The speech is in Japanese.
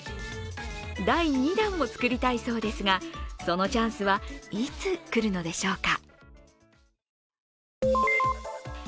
第２弾も作りたいそうですがそのチャンスは、いつ来るのでしょうか。